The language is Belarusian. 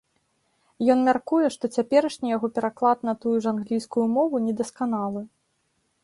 Ён мяркуе, што цяперашні яго пераклад на тую ж англійскую мову недасканалы.